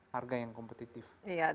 harga yang kompetitif